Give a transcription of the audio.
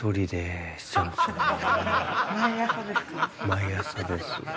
毎朝ですか？